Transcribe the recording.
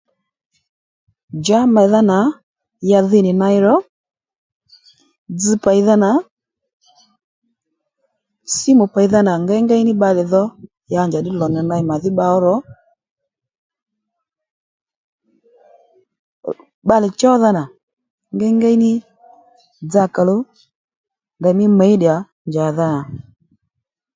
Djǎ mèydha nà ya dhi nì ney ro dzz pèydha nà símù pèydha nà ngéy ngéy ní bbalè dho ya njàddí lò nì ney màdhí bba ó ro bbalè chódha nà ngèy ngéy ní dza kàluw ndèymí midiya njàdha nà